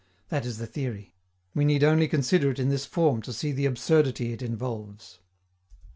That is the theory. We need only consider it in this form to see the absurdity it involves.